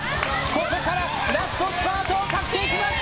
ここからラストスパートをかけていきます。